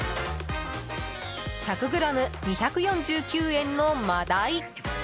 １００ｇ２４９円のマダイ。